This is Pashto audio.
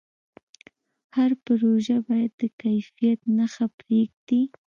هر پروژه باید د کیفیت نښه پرېږدي.